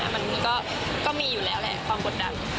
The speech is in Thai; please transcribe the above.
มันก็มีอยู่แล้วแหละความกดดัน